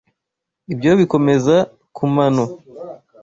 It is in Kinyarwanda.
Ibyo bikomeza kumano.